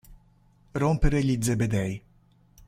Rompere gli zebedei.